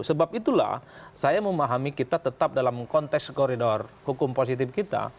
sebab itulah saya memahami kita tetap dalam konteks koridor hukum positif kita